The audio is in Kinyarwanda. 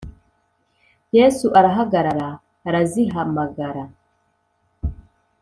Yesu arahagarara arazihamagara